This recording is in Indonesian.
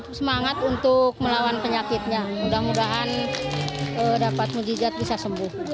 tetap semangat untuk melawan penyakitnya mudah mudahan dapat menjijat bisa sembuh